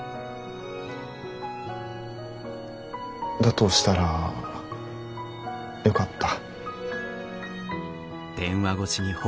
だとしたらよかった。